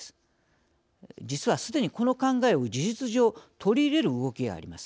実はすでにこの考えを事実上取り入れる動きがあります。